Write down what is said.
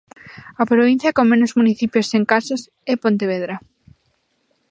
A provincia con menos municipios sen casos é Pontevedra.